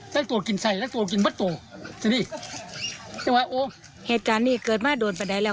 แต่ของหมาแต่ของเข็ดตัวเงินอะไร